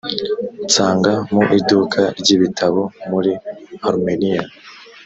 nsanga mu iduka ry ibitabo muri arumeniya